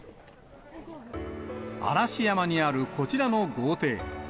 嵐山にあるこちらの豪邸。